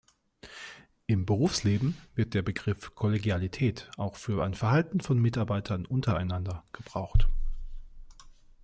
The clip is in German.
Im Berufsleben wird der Begriff Kollegialität auch für ein Verhalten von Mitarbeitern untereinander gebraucht.